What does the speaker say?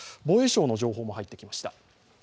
防衛省の情報も入ってきました。